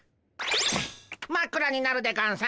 まくらになるでゴンス。